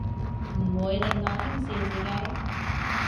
唔會令我輕視自己